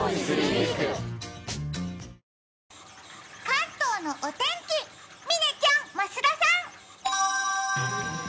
関東のお天気、嶺ちゃん、増田さん！